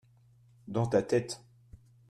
dans ta tête.